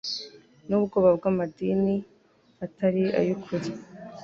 N'ubwoba bw'amadini atari ayu ukuri